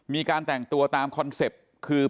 มีการแต่งตัวตามคอนเซ็ปต์คือ